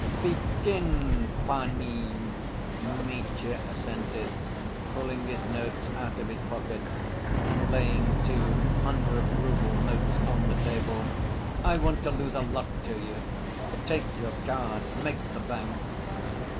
"Begin, panie," Mitya assented, pulling his notes out of his pocket, and laying two hundred‐rouble notes on the table. "I want to lose a lot to you. Take your cards. Make the bank."